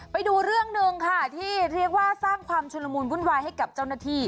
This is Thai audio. ไปดูเรื่องหนึ่งค่ะที่เรียกว่าสร้างความชุลมูลวุ่นวายให้กับเจ้าหน้าที่